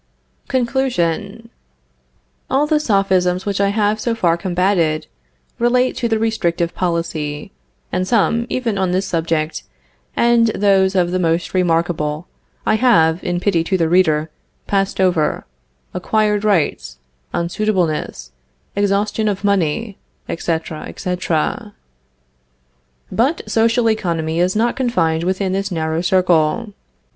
CONCLUSION. All the Sophisms which I have so far combated, relate to the restrictive policy; and some even on this subject, and those of the most remarkable, I have, in pity to the reader, passed over: acquired rights; unsuitableness; exhaustion of money, etc., etc. But Social economy is not confined within this narrow circle.